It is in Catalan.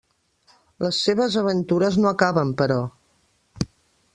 Les seves aventures no acaben, però.